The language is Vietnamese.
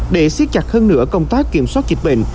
để siết chặt hơn nữa công tác kiểm soát dịch bệnh